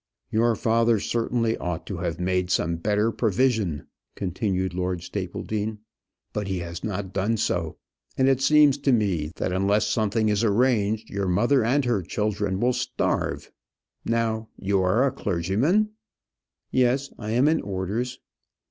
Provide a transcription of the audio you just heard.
"Your father certainly ought to have made some better provision," continued Lord Stapledean. "But he has not done so; and it seems to me, that unless something is arranged, your mother and her children will starve. Now, you are a clergyman?" "Yes, I am in orders."